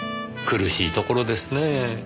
苦しいところですねえ。